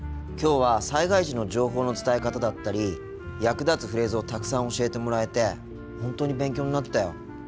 今日は災害時の情報の伝え方だったり役立つフレーズをたくさん教えてもらえて本当に勉強になったよ。